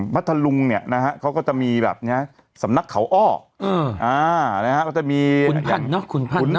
วัฒนลุงเนี่ยนะฮะเขาก็จะมีแบบเนี่ยสำนักเขาอ้ออืออ่านะฮะก็จะมีขุนพรรณเนอะขุนพรรณเนอะ